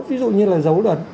ví dụ như là dấu